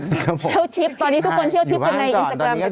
เที่ยวทิพย์ตอนนี้ทุกคนเที่ยวทิพย์ไปในอินสกรามไปก่อน